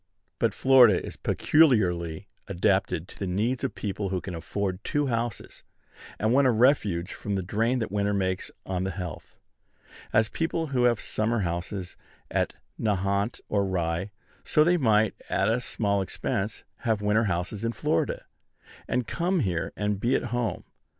But Florida is peculiarly adapted to the needs of people who can afford two houses, and want a refuge from the drain that winter makes on the health. As people now have summer houses at Nahant or Rye, so they might, at a small expense, have winter houses in Florida, and come here and be at home.